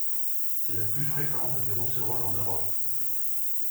C'est la plus fréquente des rousserolles en Europe.